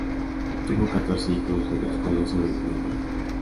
Tuvo catorce hijos, de los cuales sobrevivió a nueve.